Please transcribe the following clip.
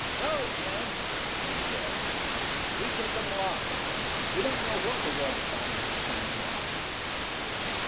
"No, Jim," he said. "We take 'em along. We don't know what we're going to find at the shining mountain."